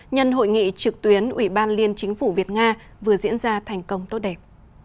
nhân hội nghị trực tuyến ủy ban liên chính phủ việt nga vừa diễn ra thành công tốt đẹp